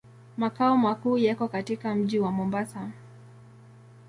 Makao makuu yako katika mji wa Mombasa.